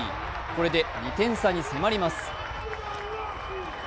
これで２点差に迫ります。